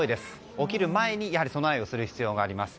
起きる前に備えをする必要があります。